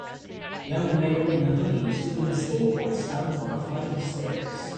Young male in a hoodie is doing a skateboard stunt on a flight of stairs.